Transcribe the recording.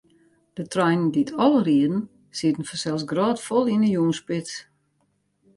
De treinen dy't ál rieden, sieten fansels grôtfol yn 'e jûnsspits.